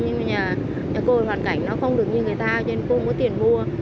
nhưng mà nhà cô hoàn cảnh nó không được như người ta cho nên cô mỗi tiền mua